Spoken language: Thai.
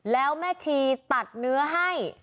แล้วแม่ชีตัดเนื้อให้